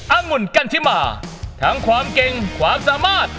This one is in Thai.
องุ่นกันชิมาทั้งความเก่งความสามารถ